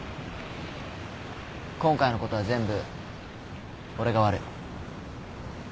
今回のことは全部俺が悪い。